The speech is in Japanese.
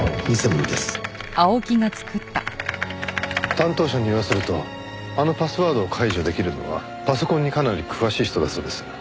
担当者に言わせるとあのパスワードを解除できるのはパソコンにかなり詳しい人だそうです。